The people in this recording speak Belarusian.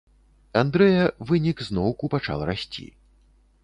Андрэя, вынік зноўку пачаў расці.